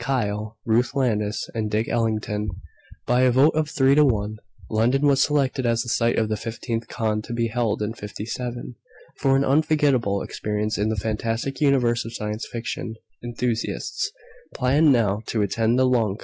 Kyle, Ruth Landis and Dick Ellington. By a vote of 3 to 1, London was selected as the site of the 15th Con, to be held in '57. For an unforgettable experience in the fantastic universe of science fiction enthusiasts, plan now to attend the LONCON!